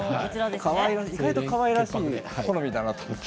意外とかわいらしい好みだなと思って。